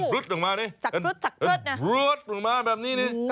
แบบนี้นี่ครับอ้าวเดี๋ยว